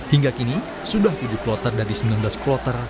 hingga kini sudah tujuh kloter dari sembilan belas kloter